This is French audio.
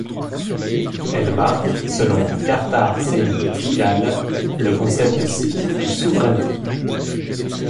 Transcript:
Elle marque, selon Kartar Singh Duggal, le concept sikh de souveraineté.